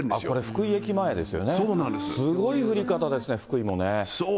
これ、福井駅前ですよね、すごい降り方ですね、福井もね。